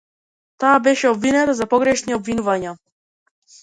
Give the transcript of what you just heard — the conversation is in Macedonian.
Таа беше обвинета за погрешни обвинувања.